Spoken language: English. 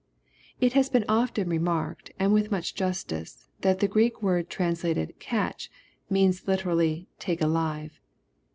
"] It has been often remarked, and with much justice, that the Q^reek word translated "eaten," means Uterally " take alive."